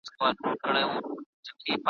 پر جناره درته درځم جانانه هېر مي نه کې `